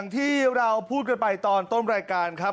ที่เราพูดกันไปตอนต้นรายการครับ